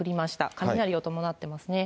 雷を伴っていますね。